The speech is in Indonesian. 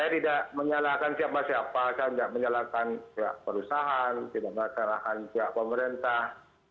saya tidak menyalahkan siapa siapa saya tidak menyalahkan pihak perusahaan tidak menyalahkan pihak pemerintah